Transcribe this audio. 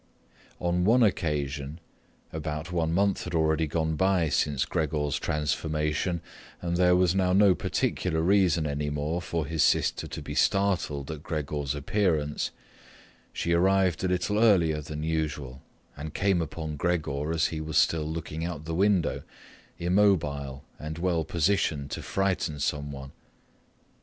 On one occasion—about one month had already gone by since Gregor's transformation, and there was now no particular reason any more for his sister to be startled at Gregor's appearance—she arrived a little earlier than usual and came upon Gregor as he was still looking out the window, immobile and well positioned to frighten someone.